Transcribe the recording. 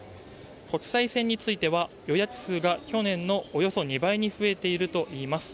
国際線については、予約数が去年のおよそ２倍に増えているといいます